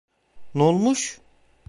Ne olmuş?